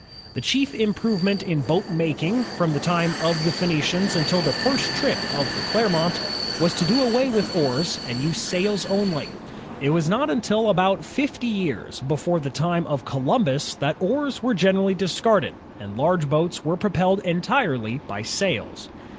The chief improvement in boat making, from the time of the Phcenicians until the first trip of the Clermont, was to do away with oars and to use sails only. It was not until about fifty years before the time of Columbus that oars were generally discarded and large ROBERT FULTON 2? boats were propelled entirely by sails.